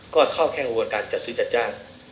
ก็เข้าแค่กระบวนการจัดซื้อจัดจ้าง